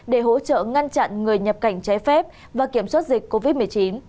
để hỗ trợ ngăn chặn người nhập cảnh trái phép và kiểm soát dịch covid một mươi chín